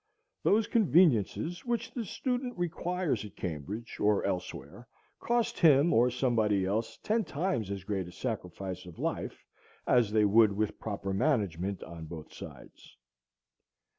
Those conveniences which the student requires at Cambridge or elsewhere cost him or somebody else ten times as great a sacrifice of life as they would with proper management on both sides.